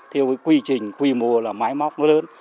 theo cái quy trình quy mô là máy móc nó lớn